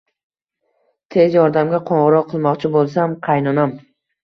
Tez yordamga qo`ng`iroq qilmoqchi bo`lsam, qaynonam